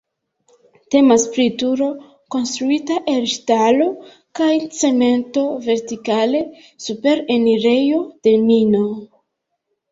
Temas pri turo konstruita el ŝtalo kaj cemento vertikale super enirejo de mino.